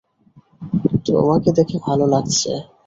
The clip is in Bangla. তোমাকে দেখে ভালো লাগছে।